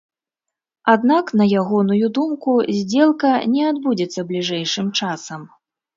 Аднак, на ягоную думку, здзелка не адбудзецца бліжэйшым часам.